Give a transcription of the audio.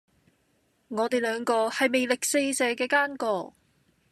我地兩個係魅力四射既奸角